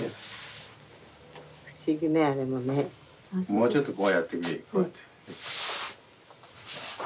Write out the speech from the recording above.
もうちょっとこうやって。